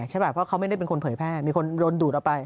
ใช่ป่เพราะเขาไม่ได้เป็นคนเผยแพร่มีคนโดนดูดออกไป